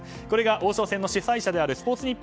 これが王将戦の主催者であるスポーツ